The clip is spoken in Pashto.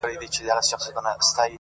• له سهاره ترماښامه به پر کار وو ,